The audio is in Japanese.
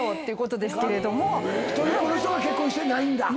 一人っ子の人が結婚してないんだ